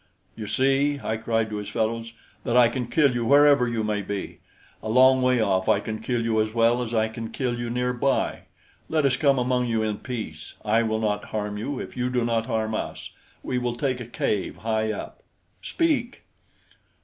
"You see," I cried to his fellows, "that I can kill you wherever you may be. A long way off I can kill you as well as I can kill you near by. Let us come among you in peace. I will not harm you if you do not harm us. We will take a cave high up. Speak!"